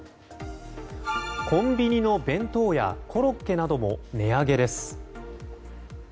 コンビニの弁当やコロッケなども値上げです。